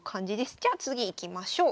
じゃあ次いきましょう。